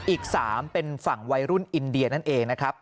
อีก๓เป็นฝั่งวัยรุ่นอินเดียนั่นเองนะครับ